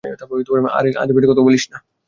আরে আজেবাজে কথা বলিস না!